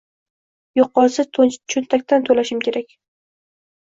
Yo’qolsa cho’ntakdan to’lashim kerak.